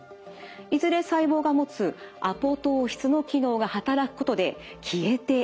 いずれ細胞が持つアポトーシスの機能が働くことで消えていきます。